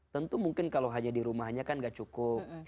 tentu mungkin kalau hanya di rumahnya kan gak cukup